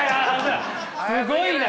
すごいな。